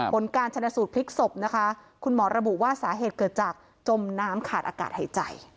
ผลการชนะสูตรพลิกศพนะคะคุณหมอระบุว่าสาเหตุเกิดจากจมน้ำขาดอากาศหายใจ